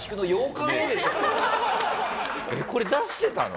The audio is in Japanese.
これ出してたの？